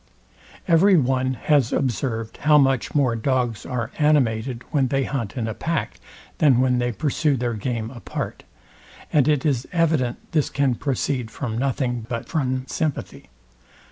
Every one has observed how much more dogs are animated when they hunt in a pack, than when they pursue their game apart; and it is evident this can proceed from nothing but from sympathy.